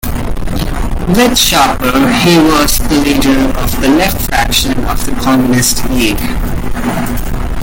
With Schapper, he was the leader of the "left" fraction of the Communist League.